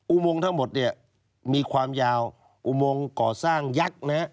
อุโมงทั้งหมดเนี่ยมีความยาวอุโมงก่อสร้างยักษ์นะฮะ